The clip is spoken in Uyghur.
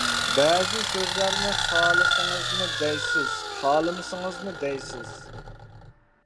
بەزى سۆزلەرنى خالىسىڭىزمۇ دەيسىز، خالىمىسىڭىزمۇ دەيسىز.